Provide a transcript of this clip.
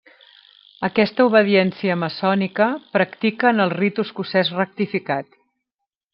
Aquesta obediència maçònica practica en el Ritu Escocès Rectificat.